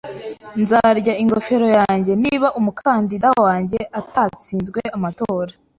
Nzarya ingofero yanjye niba umukandida wanjye atatsinze amatora